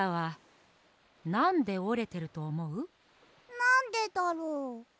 なんでだろう？